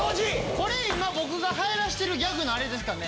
これ今僕が流行らせてるギャグのあれですかね。